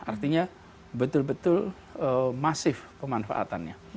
artinya betul betul masif pemanfaatannya